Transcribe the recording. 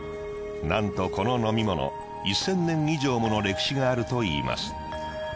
なんとこの飲み物１，０００年以上もの歴史があるといいます。